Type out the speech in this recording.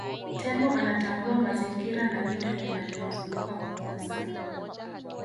tembo anatambua mazingira na vitu vinavyomzunguka kwa kunusa